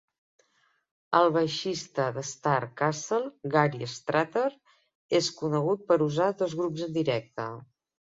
El baixista d"Starcastle, Gary Strater, és conegut per usar dos grups en directe.